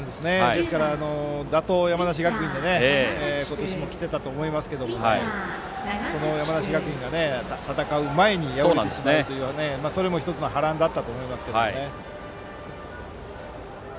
ですから、打倒・山梨学院で今年も来ていたと思いますがその山梨学院が戦う前に敗れてしまったということで、それも１つの波乱だったと思いますが。